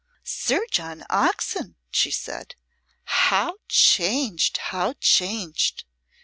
"Sir John Oxon!" she said. "How changed! how changed!